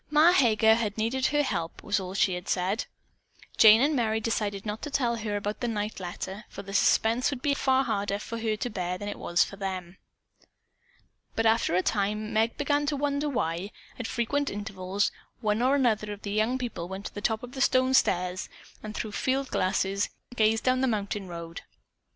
"Ma Heger" had needed her help, was all that she said. Jane and Merry decided not to tell her about the night letter, for the suspense would be far harder for her to bear than it was for them. But after a time Meg began to wonder why, at frequent intervals, one or another of the young people went to the top of the stone stairs, and through field glasses, gazed down the mountain road.